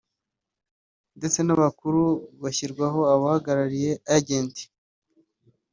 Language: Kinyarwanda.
ndetse n’abakuru hashyirwaho ababahagariye(Agents)